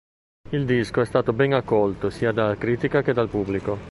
Il disco è stato ben accolto sia dalla critica che dal pubblico.